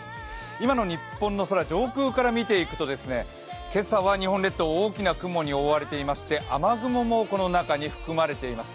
今の日本の空、上空から見ていくと、今朝は日本列島、大きな雲に覆われていまして、雨雲もこの中に含まれています。